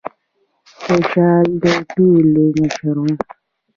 خوشال د ټولو مشر و.